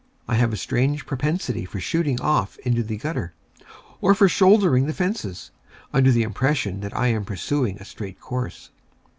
I have a strange propensity for shooting off into the gutter, or for shouldering the fences, under the impression that I am pursuing a straight course.